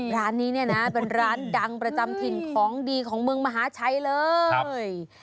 ร้านนี้เนี่ยนะเป็นร้านดังประจำถิ่นของดีของเมืองมหาชัยเลย